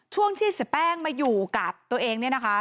ช่วงที่เสียแป้งมาอยู่กับตัวเองเนี่ยนะคะ